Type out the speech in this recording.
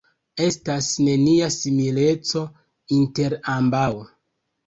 Estas nenia simileco inter ambaŭ.